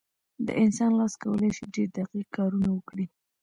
د انسان لاس کولی شي ډېر دقیق کارونه وکړي.